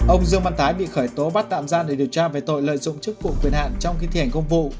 ông dương văn tái bị khởi tố bắt tạm giam để điều tra về tội lợi dụng chức vụ quyền hạn trong khi thi hành công vụ